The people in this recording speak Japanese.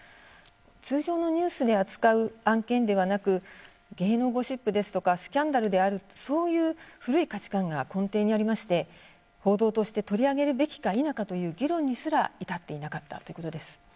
通常のニュースで扱う案件ではなく芸能ゴシップですとかスキャンダルであるそういう古い価値観が根底にありまして報道として取り上げるべきか否かという議論にすら至っていなかったということです。